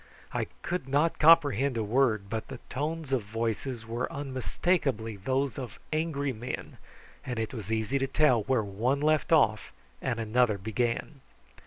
I could not comprehend a word, but the tones of voice were unmistakably those of angry men, and it was easy to tell when one left off and another began.